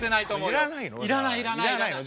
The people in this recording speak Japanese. いらないの？